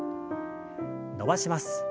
伸ばします。